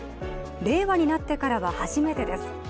令和になってからは初めてです。